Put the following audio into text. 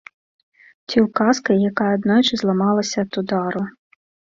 Ці ўказкай, якая аднойчы зламалася ад удару.